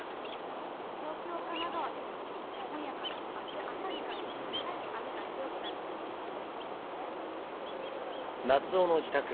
東京神奈川では今夜から明日朝にかけてさらに雨が強くなる見込みです。